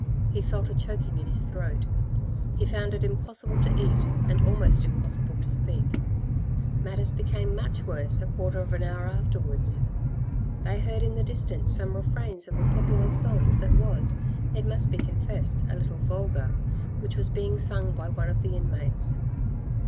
He felt a choking in his throat. He found it impossible to eat and almost impossible to speak. Matters became much worse a quarter of an hour afterwards; they heard in the distance some refrains of a popular song that was, it must be confessed, a little vulgar, which was being sung by one of the inmates.